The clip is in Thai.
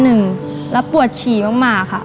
แล้วปวดฉี่มากค่ะ